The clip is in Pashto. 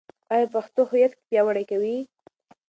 ایا پښتو هویت پیاوړی کوي؟